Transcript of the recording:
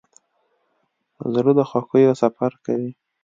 زړه د خوښیو سفر کوي.